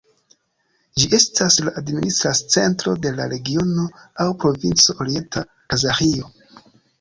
Ĝi estas la administra centro de la regiono aŭ provinco Orienta Kazaĥio.